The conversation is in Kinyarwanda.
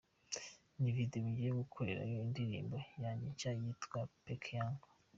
Ni video ngiye gukorerayo y’indirimbo yanjye nshya yitwa ‘Peke yangu’.